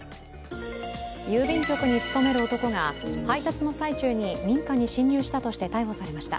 郵便局に勤める男が配達の最中に民家に侵入したとして逮捕されました。